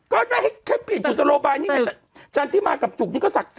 ก็ให้ให้เปลี่ยนกุศโลบายนี่ไงจันทิมากับจุกนี่ก็ศักดิ์สิทธิ์